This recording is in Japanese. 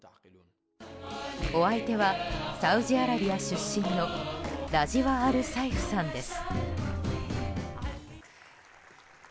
お相手はサウジアラビア出身のラジワ・アル・サイフさんです。